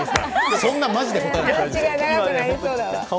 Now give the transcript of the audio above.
そんなマジで答えないで。